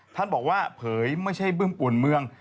ท่านบอกว่าเผยไม่ใช่บึ้มปุ่นเมือง